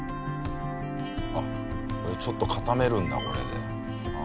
あっこれちょっと固めるんだこれで。